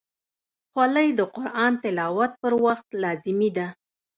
خولۍ د قرآن تلاوت پر وخت لازمي ده.